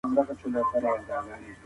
د غونډي په پای کي څه ویل کیږي؟